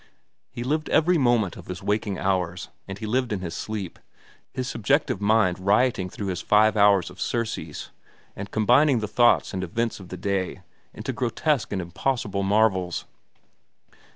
He lived every moment of his waking hours, and he lived in his sleep, his subjective mind rioting through his five hours of surcease and combining the thoughts and events of the day into grotesque and impossible marvels.